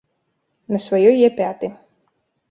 На сваёй я пяты.